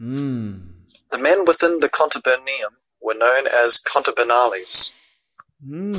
The men within the contubernium were known as "contubernales".